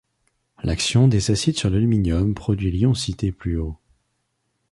L’action des acides sur l’aluminium produit l’ion cité plus haut.